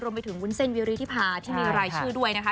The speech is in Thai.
รวมไปถึงวุ้นเส้นวิริธิภาที่มีรายชื่อด้วยนะคะ